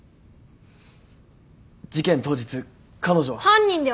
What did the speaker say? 事件当日彼女は。